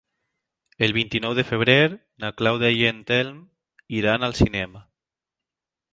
El vint-i-nou de febrer na Clàudia i en Telm iran al cinema.